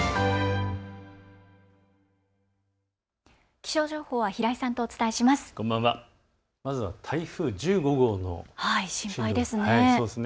気象情報は平井さんとお伝えします。